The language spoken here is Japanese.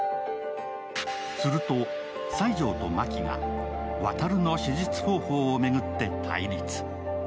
すると西條と真木が航の手術方法を巡って対立。